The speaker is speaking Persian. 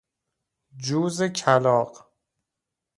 جوز کلاغ